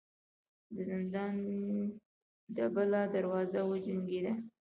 د زندان ډبله دروازه وچونګېده.